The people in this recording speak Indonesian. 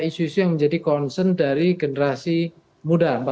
isu isu yang menjadi concern dari generasi muda